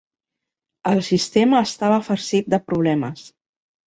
El sistema estava farcit de problemes.